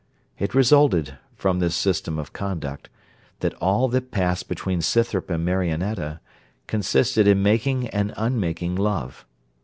It resulted, from this system of conduct, that all that passed between Scythrop and Marionetta, consisted in making and unmaking love.